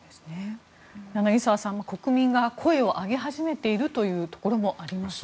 柳澤さん国民が声を上げ始めているというところもありますね。